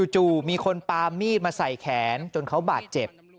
มีคนปามีดมาใส่แขนจนเขาบาดเจ็บ